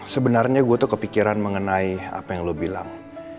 sebenarnya gue tuh kepikiran mengenai apa yang lo bilang